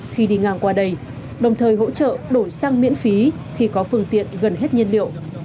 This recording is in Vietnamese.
khi đi ngang qua đây đồng thời hỗ trợ đổi sang miễn phí khi có phương tiện gần hết nhiên liệu